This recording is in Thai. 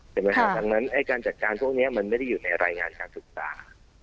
ดังนั้นการจัดการพวกนี้มันไม่ได้อยู่ในรายงานการศึกษา